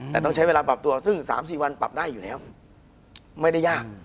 แต่ต้องใช้เวลาปรับตัวซึ่ง๓๔วันปรับได้อยู่แล้วไม่ได้ยาก